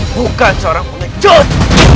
bukan seorang pengecut